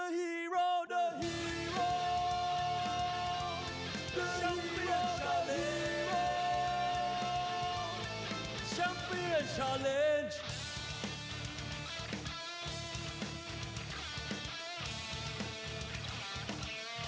แฮวแฮวแฮว